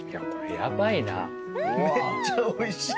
めっちゃおいしい。